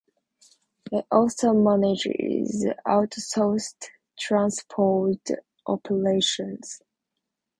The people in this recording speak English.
It also manages outsourced transport operations.